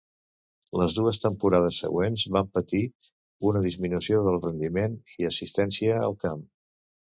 Les dues temporades següents van patir una disminució del rendiment i assistència al camp.